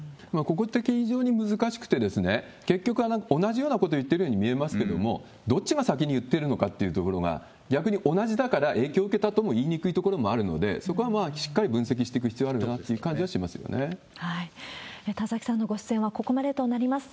ここ、非常に難しくてですね、結局、同じようなこと言ってるように見えますけれども、どっちが先に言ってるのかっていうところが、逆に同じだから影響受けたとも言いにくいところもあるので、そこはまあ、しっかり分析していく必要があるなという感じはしますよ田崎さんのご出演はここまでとなります。